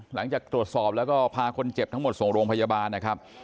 หลังจากตรวจสอบแล้วก็พาคนเจ็บทั้งหมดส่งโรงพยาบาลนะครับ